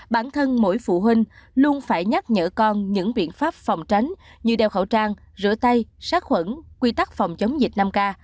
bản thân mỗi phụ huynh luôn phải nhắc nhở con những biện pháp phòng tránh như đeo khẩu trang rửa tay sát khuẩn quy tắc phòng chống dịch năm k